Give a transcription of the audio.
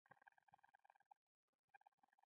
د مالګې تیزاب په یوه ازمیښتي نل کې واچوئ.